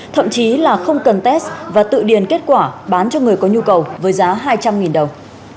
thậm chí là không cần test và tự điền kết quả bán cho người có nhu cầu với giá hai trăm linh đồng